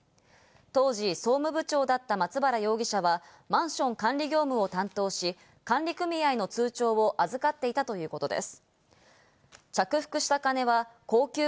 当時総務部長だった松原容疑者はマンション管理業務を担当し、管理組合の通帳を預かっていたということです。